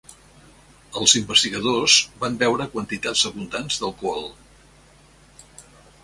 Els investigadors van beure quantitats abundants d"alcohol.